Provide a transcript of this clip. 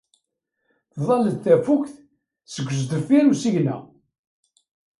Tḍall-d tafukt seg sdeffir usigna.